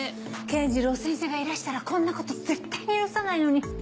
健次郎先生がいらしたらこんなこと絶対に許さないのに。